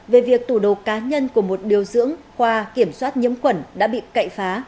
về việc tủ đồ cá nhân của một điều dưỡng khoa kiểm soát nhiễm quẩn đã bị cậy phá